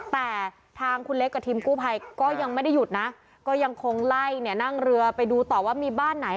แต่ทางคุณเล็กกับทีมกู้ภัยก็ยังไม่ได้หยุดนะก็ยังคงไล่เนี่ยนั่งเรือไปดูต่อว่ามีบ้านไหน